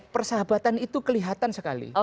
persahabatan itu kelihatan sekali